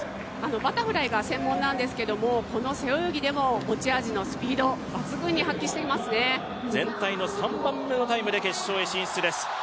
バタフライが専門なんですけれどもこの背泳ぎでも持ち味のスピード、全体の３番目のタイムで決勝に進出です。